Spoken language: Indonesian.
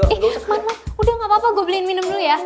eh man udah gapapa gue beliin minum dulu ya